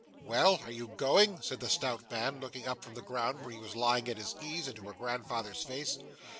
'Well, are you going?' said the stout man, looking up from the ground where he was lying at his ease, into her grandfather's face.